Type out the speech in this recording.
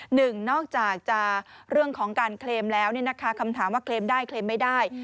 หนึ่งนอกจากจะเรื่องของการเคลมแล้วคำถามว่าเคลมได้เคลมไม่ได้